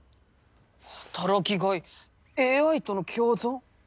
働きがいＡＩとの共存？